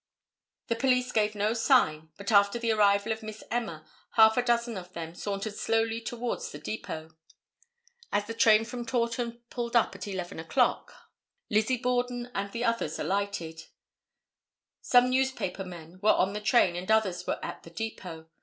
The police gave no sign, but after the arrival of Miss Emma, half a dozen of them sauntered slowly towards the depot. As the train from Taunton pulled up at 11 o'clock, Lizzie Borden and the others alighted. Some newspaper men were on the train and others were at the depot.